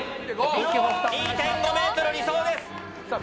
２．５ｍ理想です。